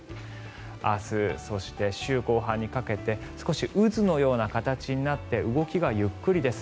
明日、そして週後半にかけて少し渦のような形になって動きがゆっくりです。